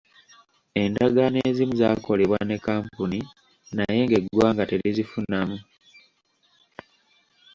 Endagaano ezimu zaakolebwa ne kkampuni naye ng’eggwanga terizifunamu.